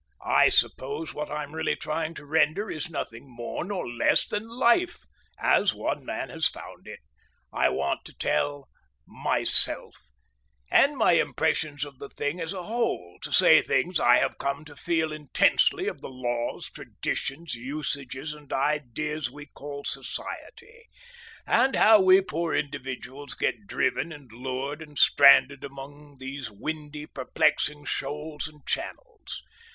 I suppose what I'm really trying to render is nothing more nor less than Life—as one man has found it. I want to tell—myself, and my impressions of the thing as a whole, to say things I have come to feel intensely of the laws, traditions, usages, and ideas we call society, and how we poor individuals get driven and lured and stranded among these windy, perplexing shoals and channels.